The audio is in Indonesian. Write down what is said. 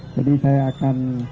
jadi saya akan